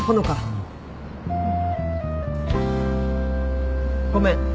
うん。ごめん。